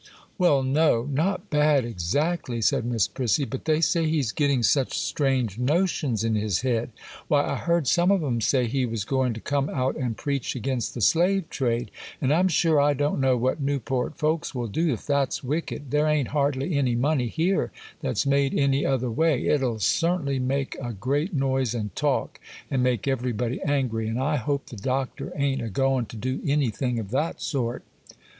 'Well, no, not bad exactly,' said Miss Prissy; 'but they say he's getting such strange notions in his head; why, I heard some of 'em say he was going to come out and preach against the slave trade; and I'm sure I don't know what Newport folks will do if that's wicked; there aint hardly any money here that's made any other way: it'll certainly make a great noise and talk, and make everybody angry; and I hope the Doctor aint a going to do anything of that sort.